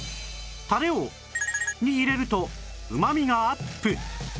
タレをに入れると旨味がアップ